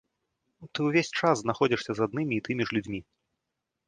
Ты ўвесь час знаходзішся з аднымі і тымі ж людзьмі.